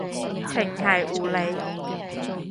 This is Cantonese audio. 程繫護理